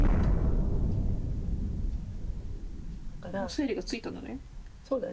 もう整理がついたんだね。